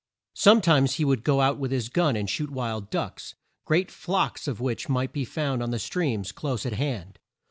Some times he would go out with his gun and shoot wild ducks, great flocks of which might be found on the streams close at hand.